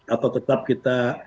atau tetap kita